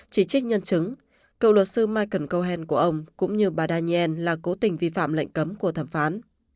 chỉ trích nhân chứng cựu luật sư michael conhent của ông cũng như bà daniel là cố tình vi phạm lệnh cấm của thẩm phán